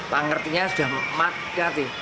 pak ngertinya sudah mati